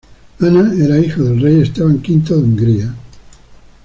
Ana era hija del rey Esteban V de Hungría.